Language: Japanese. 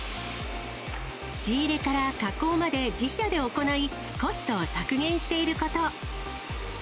仕入れから加工まで自社で行い、コストを削減していること。